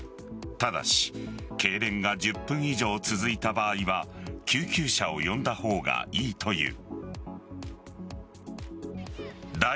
ただし、けいれんが１０分以上続いた場合は救急車を呼んだほうがいいという。